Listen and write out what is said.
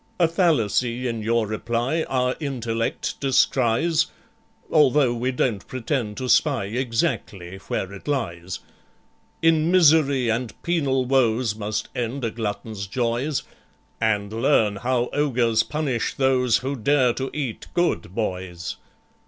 "A fallacy in your reply Our intellect descries, Although we don't pretend to spy Exactly where it lies. "In misery and penal woes Must end a glutton's joys; And learn how ogres punish those Who dare to eat good boys.